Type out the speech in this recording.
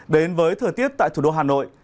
đến với thời tiết tại thủ đô hà nội